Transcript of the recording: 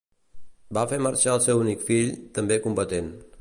Va fer marxar al seu únic fill, també combatent.